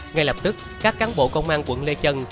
ngay lập tức các cán bộ công an quận lê chân